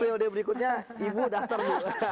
berarti priode berikutnya ibu daftar bu